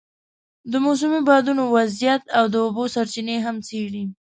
د موسمي بادونو وضعیت او د اوبو سرچینې هم څېړي.